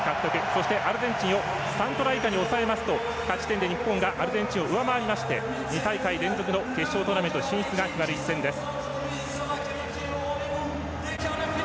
そしてアルゼンチンを３トライ以下に抑えますと勝ち点で日本がアルゼンチンを上回って２大会連続の決勝トーナメント進出が決まる一戦です。